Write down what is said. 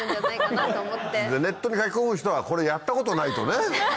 ネットに書き込む人はこれやったことないとね。